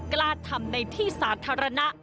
กล้าทำในที่สาธารณะ